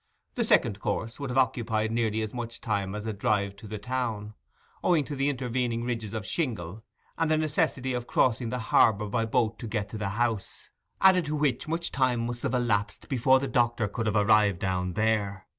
The second course would have occupied nearly as much time as a drive to the town, owing to the intervening ridges of shingle, and the necessity of crossing the harbour by boat to get to the house, added to which much time must have elapsed before a doctor could have arrived down there.